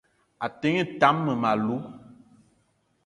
A te ngne tam mmem- alou